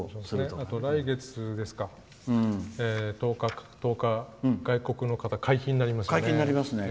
あと来月ですか１０日、外国の方解禁になりますね。